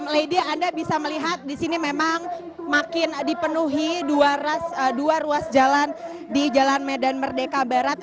lady anda bisa melihat di sini memang makin dipenuhi dua ruas jalan di jalan medan merdeka barat